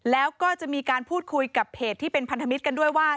แล้วก็จะมีการพูดคุยกับเพจที่เป็นพันธมิตรกันด้วยว่า